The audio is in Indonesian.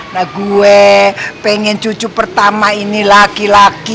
nah gue pengen cucu pertama ini laki laki